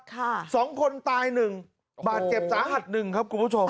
สองคนตายหนึ่งบาดเจ็บสาหัสหนึ่งครับคุณผู้ชม